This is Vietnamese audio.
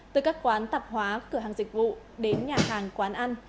từ các quán tạp hóa cửa hàng dịch vụ đến nhà hàng quán ăn